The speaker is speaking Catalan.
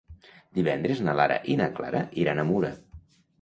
Divendres na Lara i na Clara iran a Mura.